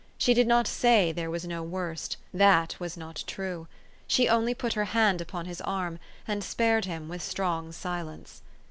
She did not say there was no worst. That was not true. She only put her hand upon his arm, and spared him with strong silence.